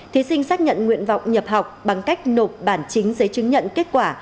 thí sinh xác nhận nguyện vọng nhập học bằng cách nộp bản chính giấy chứng nhận kết quả